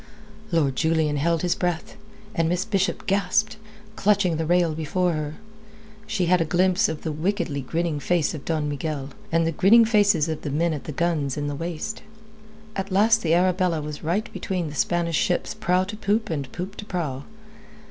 Lord Julian held his breath, and Miss Bishop gasped, clutching the rail before her. She had a glimpse of the wickedly grinning face of Don Miguel, and the grinning faces of the men at the guns in the waist. At last the Arabella was right between the Spanish ships prow to poop and poop to prow.